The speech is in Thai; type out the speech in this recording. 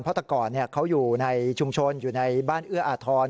พ่อตะกรเขาอยู่ในชุมชนอยู่ในบ้านเอื้ออาทร